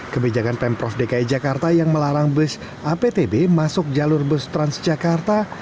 kebijakan pemprov dki jakarta yang melarang bus aptb masuk jalur bus transjakarta